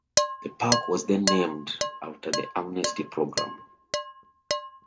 The park was then named after the amnesty program.